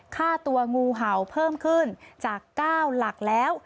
ค่าตัวงูเห่าเพิ่มขึ้นจาก๙หลักแล้ว